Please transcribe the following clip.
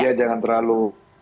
jadi jangan terlalu